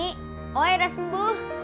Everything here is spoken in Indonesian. ini oe udah sembuh